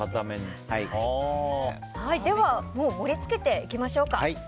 では盛り付けていきましょうか。